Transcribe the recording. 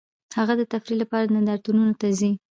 هغه د تفریح لپاره نندارتونونو ته ځي